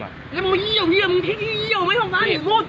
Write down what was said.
มึงมาเยี่ยวที่ที่เยี่ยวไม่ต้องการอยู่นู้น